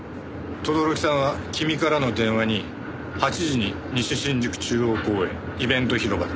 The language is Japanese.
轟さんは君からの電話に「８時に西新宿中央公園イベント広場で。